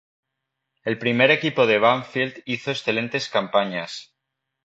El primer equipo de Banfield hizo excelentes campañas